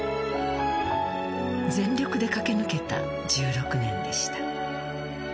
全力で駆け抜けた１６年でした。